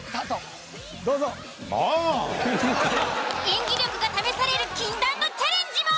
演技力が試される禁断のチャレンジも。